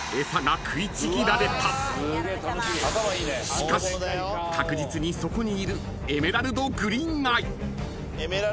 ［しかし確実にそこにいるエメラルドグリーンアイ］